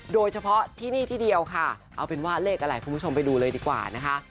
โดยเฉพาะที่นี่ที่เดียวค่ะเอาเป็นว่าเลขอะไรคุณผู้ชมไปดูเลยดีกว่านะคะ